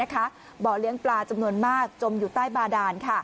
เบาะเลี้ยงปลาจำนวนมากจมอยู่ใต้บาดาน